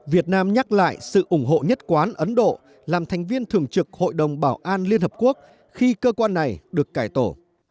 việt nam nhắc lại sự ủng hộ nhất quán ấn độ làm thành viên thường trực hội đồng bảo an liên hợp quốc khi cơ quan này được cải tổ